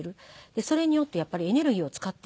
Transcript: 「それによってやっぱりエネルギーを使っているので」。